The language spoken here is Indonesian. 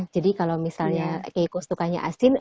jadi kalau misalnya keiko sukanya asin